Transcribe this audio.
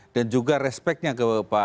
dan juga respeknya ke pak ai